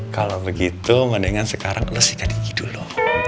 kalau begitu mendingan sekarang lo sikat gigi dulu